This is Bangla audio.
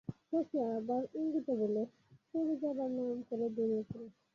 শশী আবার ইঙ্গিতে বলে, পুরী যাবার নাম করে বেরিয়ে পড়ুন।